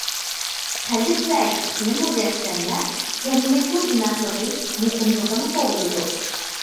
قەلب ۋە كۈچنى مۇجەسسەملەپ، جەمئىيەتنىڭ ئىناقلىقى، مۇقىملىقىنى قوغدىدۇق.